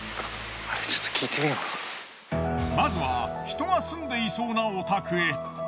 まずは人が住んでいそうなお宅へ。